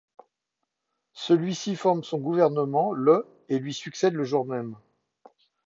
Celui-ci forme son gouvernement le et lui succède le jour même.